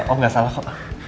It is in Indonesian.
om gak salah kok